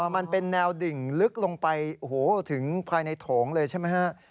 อ๋อมันเป็นแนวดึงลึกลงไปถึงภายในถงเลยใช่ไหมฮะ